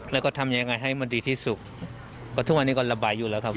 แล้วก็ทำยังไงให้มันดีที่สุดเพราะทุกวันนี้ก็ระบายอยู่แล้วครับ